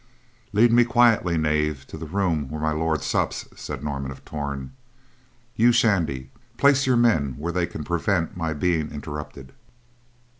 "Lead me quietly, knave, to the room where My Lord sups," said Norman of Torn. "You, Shandy, place your men where they can prevent my being interrupted."